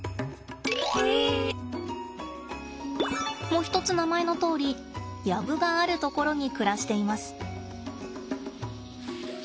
もひとつ名前のとおり薮がある所に暮らしています。